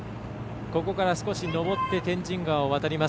少し上って天神川を渡ります。